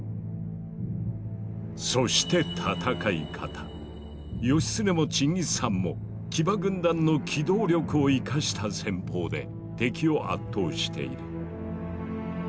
そして義経もチンギス・ハンも騎馬軍団の機動力を生かした戦法で敵を圧倒している。